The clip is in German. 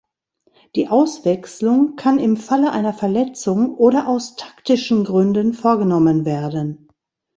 Die Auswechslung kann im Falle einer Verletzung oder aus taktischen Gründen vorgenommen werden.